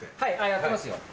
やってますよ。